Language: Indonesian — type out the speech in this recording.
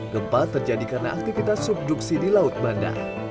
gempa terjadi karena aktivitas subduksi di laut banda